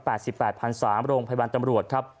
สิบแปดพันสามโรงพยาบาลตำรวจครับ